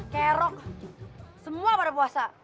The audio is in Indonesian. kerok semua pada puasa